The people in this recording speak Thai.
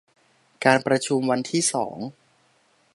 การประชุมวันที่สอง